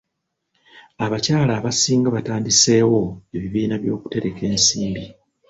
Abakyala abasinga batandiseewo ebibiina by'okutereka ensimbi.